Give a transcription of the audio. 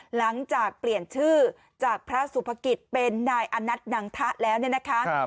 หลังจากเปลี่ยนชื่อจากพระสุภกิจเป็นนายอนัทนังทะแล้วเนี่ยนะคะ